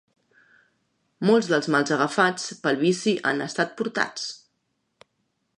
Molts dels mals agafats, pel vici han estat portats.